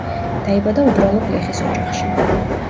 დაიბადა უბრალო გლეხის ოჯახში.